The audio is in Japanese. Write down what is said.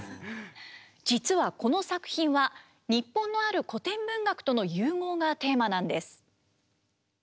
実はこの作品は日本のある古典文学との融合がテーマなんです。